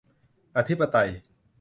อธิปไตย